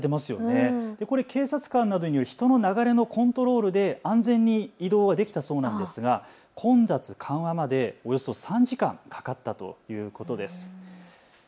これ、警察官などによる人の流れのコントロールで安全に移動ができたそうなんですが混雑緩和までおよそ３時間かかったということです。